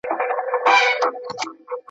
ستا په خوله کي مي د ژوند وروستی ساعت وو `